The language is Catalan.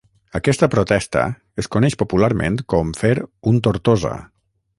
Aquesta protesta es coneix popularment com fer “un Tortosa”.